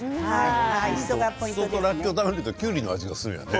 しそとらっきょう一緒に食べるときゅうりの味がするよね。